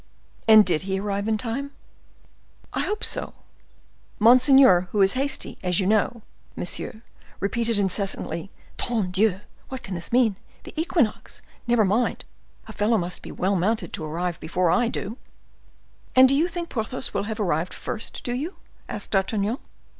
"And did he arrive in time?" "I hope so. Monseigneur, who is hasty, as you know, monsieur, repeated incessantly, 'Tonne Dieu! What can this mean? The Equinox? Never mind, a fellow must be well mounted to arrive before I do.'" "And you think Porthos will have arrived first, do you?" asked D'Artagnan.